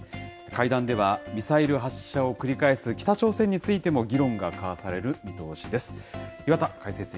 会談では、ミサイル発射を繰り返す、北朝鮮についても議論が交わされる見通しです。